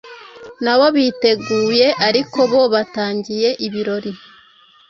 nabo biteguye ariko bo batangiye ibirori.